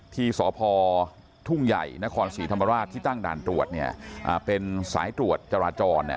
ที่สพทุ่งใหญ่นครศรีธรรมราชที่ตั้งด่านตรวจเนี่ยเป็นสายตรวจจราจร